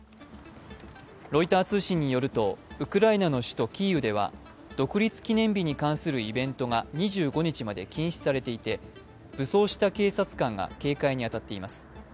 ロイター通信によるとウクライナの首都キーウでは独立記念日に関するイベントが２５日まで禁止されていて武装した警察官が警戒に当たっています。